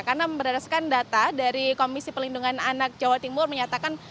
karena memberdasarkan data dari komisi pelindungan anak jawa timur menyatakan